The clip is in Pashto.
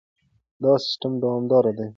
دا سیستم دوامدار دی.